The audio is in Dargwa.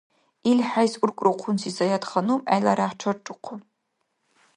ИлхӀейс уркӀрухъунси Саятханум гӀеларяхӀ чаррухъун.